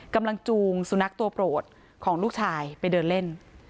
จูงสุนัขตัวโปรดของลูกชายไปเดินเล่น